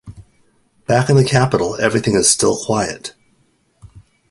Back in the Capital, everything is still quiet.